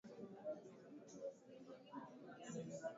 la Marekani lakini wawakilishi hao si wabunge